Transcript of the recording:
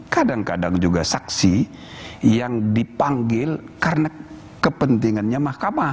kadang kadang juga saksi yang dipanggil karena kepentingannya mahkamah